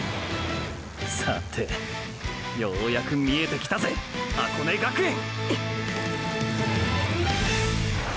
さてようやく見えてきたぜ箱根学園！！